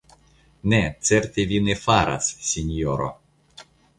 Ne, certe vi ne faras, sinjoro .